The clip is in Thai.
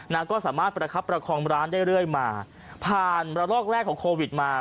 ก็สามารถประคับประคองร้านได้เรื่อยมาผ่านระลอกแรกของโควิดมา